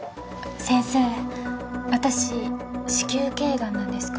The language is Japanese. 先生私子宮頸癌なんですか？